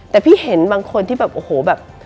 แต่พี่เห็นบางคนที่แบบโอ้โหแบบ